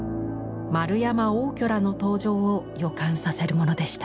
円山応挙らの登場を予感させるものでした。